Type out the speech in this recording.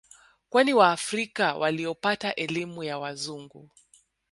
Kwani waafrika waliopata elimu ya Wazungu